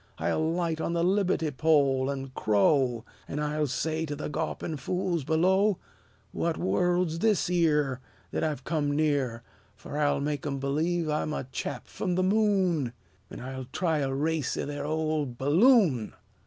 I'll light on the libbe'ty pole, an' crow; An' I'll say to the gawpin' fools below, 'What world 's this 'ere That I've come near?' Fer I'll make 'em b'lieve I'm a chap f'm the moon! An' I'll try a race 'ith their ol' bulloon."